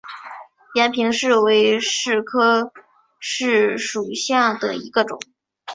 延平柿为柿科柿属下的一个种。